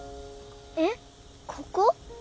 えっここ？